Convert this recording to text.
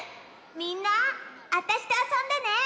みんなあたしとあそんでね！